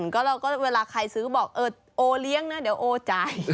ก็เราก็เวลาใครซื้อบอกเออโอเลี้ยงนะเดี๋ยวโอจ่าย